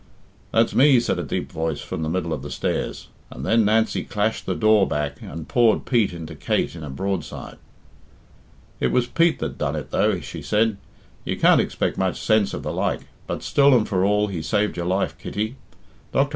"That's me," said a deep voice from the middle of the stairs, and then Nancy clashed the door back and poured Pete into Kate in a broadside. "It was Pete that done it, though," she said. "You can't expect much sense of the like, but still and for all he saved your life, Kitty. Dr.